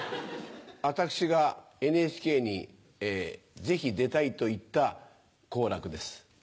私がＮＨＫにぜひ出たいと言った好楽です。